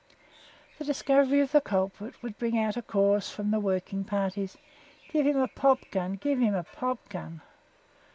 The discovery of the culprit would bring out a chorus from the working parties: "Give him a popgun, give him a popgun!"